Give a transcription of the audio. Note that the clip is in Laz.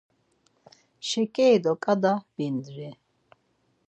Şekeri do kada biindri.